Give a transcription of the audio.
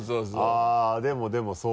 あっでもでもそう。